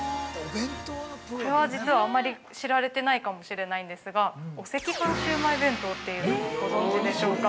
◆これは実は、あまり知られてないかもしれないんですがお赤飯シウマイ弁当というのをご存じでしょうか。